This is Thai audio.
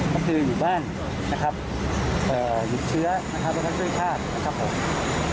ก็คืออยู่บ้านนะครับหยุดเชื้อนะครับแล้วก็ช่วยชาตินะครับผม